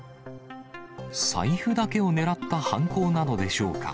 財布だけを狙った犯行なのでしょうか。